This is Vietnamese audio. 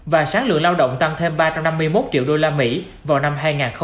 và sáng lượng lao động tăng thêm ba trăm năm mươi một triệu đô la mỹ vào năm hai nghìn hai mươi bảy